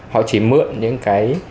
họ chỉ mượn những cái